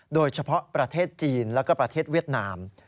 โดยเฉพาะประเทศจีนแล้วก็ประเทศเวียดนาม